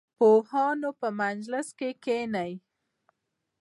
د پوهانو په مجلس کې کښېنئ.